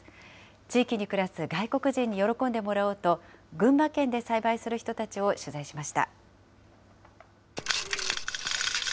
地域に暮らす外国人に喜んでもらおうと、群馬県で栽培する人たちを取材しました。